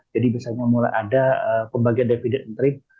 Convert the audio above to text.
jadi biasanya mulai ada pembagian dividend entry